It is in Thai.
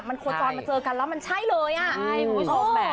มันโคจรมันเจอกันแล้วมันใช่เลยอ่ะ